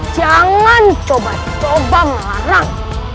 jangan coba coba melarang